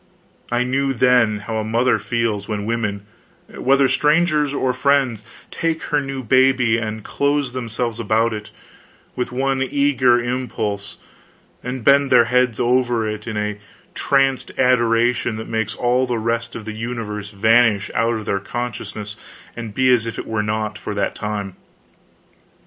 I knew, then, how a mother feels when women, whether strangers or friends, take her new baby, and close themselves about it with one eager impulse, and bend their heads over it in a tranced adoration that makes all the rest of the universe vanish out of their consciousness and be as if it were not, for that time.